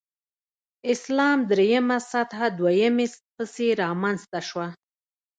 اسلام درېمه سطح دویمې پسې رامنځته شوه.